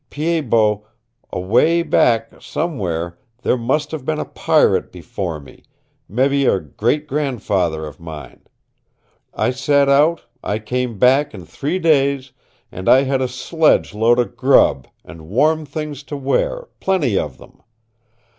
Pied Bot, away back somewhere there must have been a pirate before me mebby a great grandfather of mine. I set out, I came back in three days, and I had a sledge load of grub, and warm things to wear plenty of them.